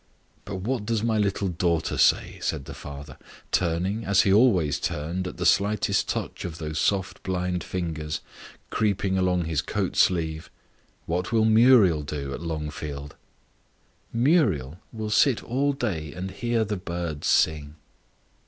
"But what does my little daughter say?" said the father, turning as he always turned, at the lightest touch of those soft, blind fingers, creeping along his coat sleeve. "What will Muriel do at Longfield?" "Muriel will sit all day and hear the birds sing."